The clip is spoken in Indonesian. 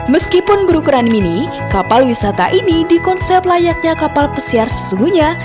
meskipun berukuran mini kapal wisata ini di konsep layaknya kapal pesiar sesungguhnya